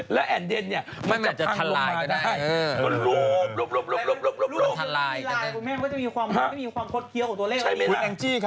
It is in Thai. แล้วแอนเดนเนี่ยมันจะพังลงมาได้